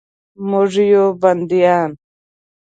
موږ یو بندیان